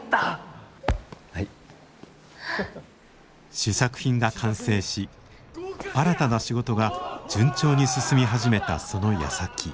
試作品が完成し新たな仕事が順調に進み始めたそのやさき。